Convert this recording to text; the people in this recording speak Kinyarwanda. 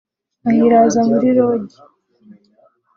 ayiraza muri Lodge